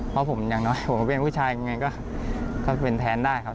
เพราะผมอย่างน้อยผมก็เป็นผู้ชายยังไงก็เป็นแทนได้ครับ